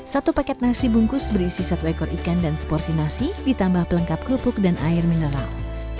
satu paket nasi bungkus berisi satu ekor ikan dan seporsi nasi ditambah pelengkap kerupuk dan air mineral